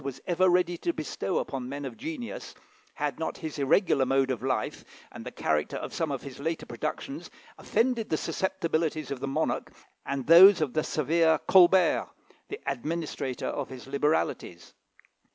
was ever ready to bestow upon men of genius, had not his irregular mode of life, and the character of some of his later productions, offended the susceptibilities of the monarch and those of the severe Colbert, the administrator of his liberalities.